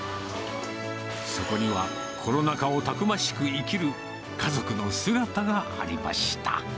そこには、コロナ禍をたくましく生きる家族の姿がありました。